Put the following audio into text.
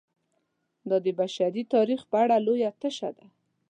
دا د بشري تاریخ په اړه لویه تشه ده.